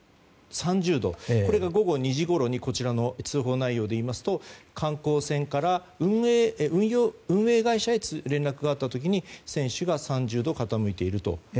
午後２時ごろの通報内容でいいますと観光船から運営会社に連絡があった時に船首が３０度傾いていると。